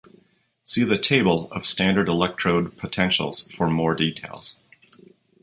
See the "table" of standard electrode potentials for more details.